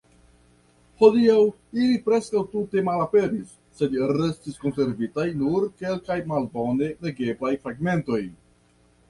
Hodiaŭ ili preskaŭ tute malaperis, sed restis konservitaj nur kelkaj malbone legeblaj fragmentoj.